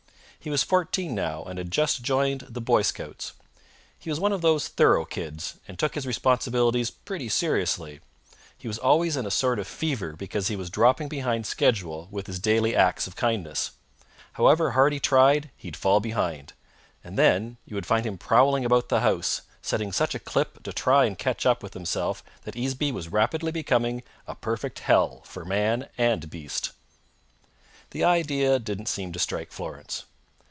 He was fourteen now and had just joined the Boy Scouts. He was one of those thorough kids, and took his responsibilities pretty seriously. He was always in a sort of fever because he was dropping behind schedule with his daily acts of kindness. However hard he tried, he'd fall behind; and then you would find him prowling about the house, setting such a clip to try and catch up with himself that Easeby was rapidly becoming a perfect hell for man and beast. The idea didn't seem to strike Florence.